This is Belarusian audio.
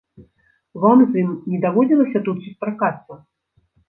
Вам з ім не даводзілася тут сустракацца?